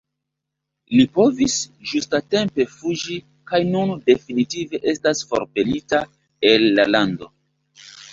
Li povis ĝusta-tempe fuĝi kaj nun definitive estas forpelita el la lando.